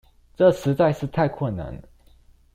這實在是太困難了